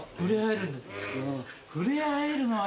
触れ合えるんだ。